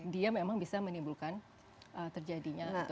dia memang bisa menimbulkan terjadinya